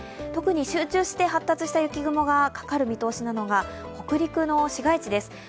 特に集中して発達した雪雲がかかる見通しなのが北陸の市街地です。